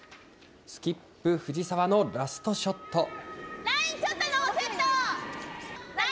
スキップ、藤澤のラストショット。